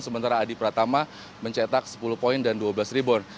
sementara adi pratama mencetak sepuluh poin dan dua belas rebor